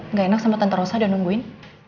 nggak enak sama tante rosa udah nungguin